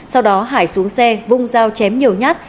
sau đó hải xuống xe vung dao chém nhiều nhát